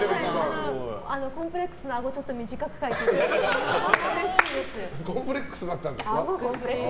コンプレックスのあごをちょっと短く描いていただいてうれしいです。